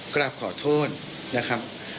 กราบขอโทษนะครับ